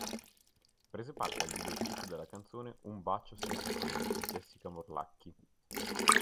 Prese parte al videoclip della canzone "Un bacio senza fine" di Jessica Morlacchi.